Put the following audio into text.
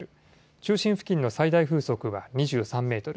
中心付近の最大風速は２３メートル